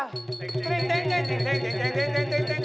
สวัสดีนี่ค่ะ